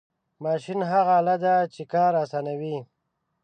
ماشین هغه آله ده چې کار آسانوي.